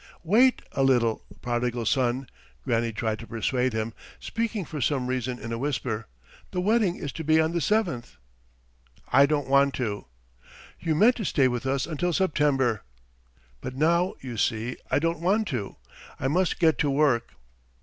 ..." "Wait a little, prodigal son!" Granny tried to persuade him, speaking for some reason in a whisper, "the wedding is to be on the seventh." "I don't want to." "You meant to stay with us until September!" "But now, you see, I don't want to. I must get to work."